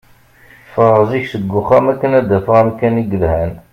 Ffɣeɣ zik seg uxxam i wakken ad d-afeɣ amkan i yelhan.